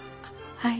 はい。